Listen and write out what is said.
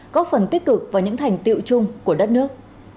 góp phần tích cực vào những thành tiệu chung của đất nước